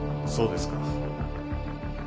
そうですか。